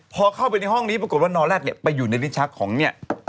พอเข้าไปในห้องนี้ปรากฏว่านอแร็ดเนี่ยไปอยู่ในลิ้นชักของเนี่ย